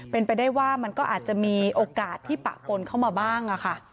เป็นไปได้ว่ามันก็อาจจะมีโอกาสที่ปะปนเข้ามาบ้างค่ะ